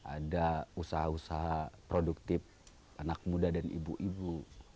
ada usaha usaha produktif anak muda dan ibu ibu